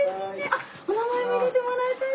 あっお名前も入れてもらえたよ。